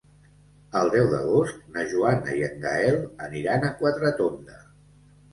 El deu d'agost na Joana i en Gaël aniran a Quatretonda.